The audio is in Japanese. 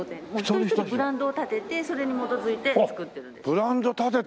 一人一人ブランドを立ててそれに基づいて作ってるんです。